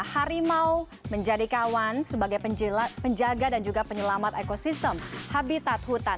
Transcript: harimau menjadi kawan sebagai penjaga dan juga penyelamat ekosistem habitat hutan